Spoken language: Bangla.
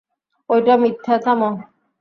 ঐটা মিথ্যা থামো!